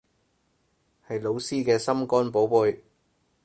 係老師嘅心肝寶貝